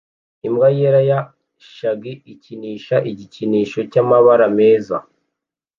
Imbwa yera ya shaggy ikinisha igikinisho cyamabara meza